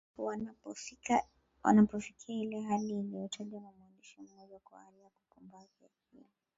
wanapofikia ile hali iliyotajwa na mwandishi mmoja kuwa hali ya kupumbaa kiakili